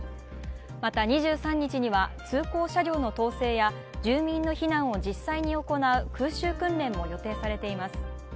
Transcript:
また２３日には通行車両の統制や住民の避難を実際に行う空襲訓練も予定されております。